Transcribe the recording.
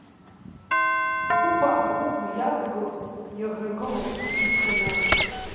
Кубаа ауӷә иаҵагылом, иаӷрагылоуп иԥҵәаны!